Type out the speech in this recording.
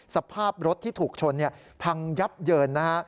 สภาพรถที่ถูกชนพังยับเยินนะฮะ